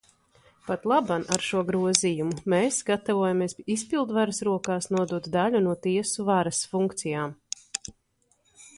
Patlaban ar šo grozījumu mēs gatavojamies izpildvaras rokās nodot daļu no tiesu varas funkcijām.